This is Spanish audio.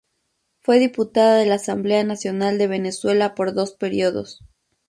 Fue diputada de la Asamblea Nacional de Venezuela por dos periodos.